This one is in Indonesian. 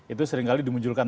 itu seringkali dimunculkan